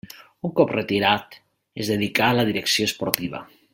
Un cop retirat es dedicà a la direcció esportiva.